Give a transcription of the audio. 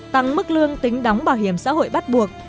tăng mức lương tính đóng bảo hiểm xã hội bắt buộc